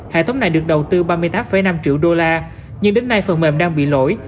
hệ thống này được đầu tư ba mươi tám năm triệu đô la nhưng đến nay phần mềm đang bị lỗi